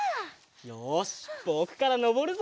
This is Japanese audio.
よしぼくからのぼるぞ！